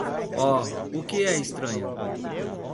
Oh, o que é estranho?